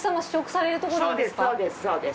そうです